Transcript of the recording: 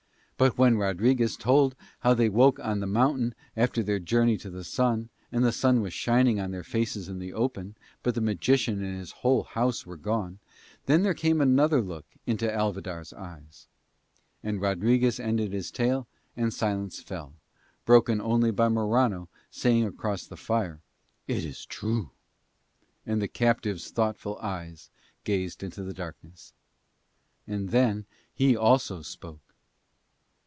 But when Rodriguez told how they woke on the mountain after their journey to the sun; and the sun was shining on their faces in the open, but the magician and his whole house were gone; then there came another look into Alvidar's eyes. And Rodriguez ended his tale and silence fell, broken only by Morano saying across the fire, "It is true," and the captive's thoughtful eyes gazed into the darkness. And then he also spoke.